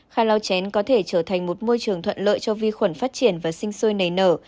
kha lao chén có thể trở thành một môi trường thuận lợi cho vi khuẩn phát triển và sinh sôi nảy nở